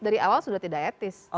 dari awal sudah tidak etis